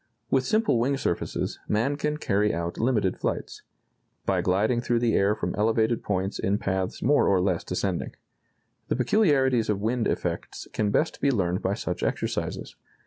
With simple wing surfaces ... man can carry out limited flights ... by gliding through the air from elevated points in paths more or less descending. The peculiarities of wind effects can best be learned by such exercises....